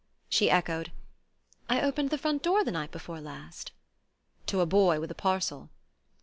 She echoed: "I opened the front door the night before last?" "To a boy with a parcel."